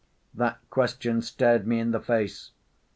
That question stared me in the face.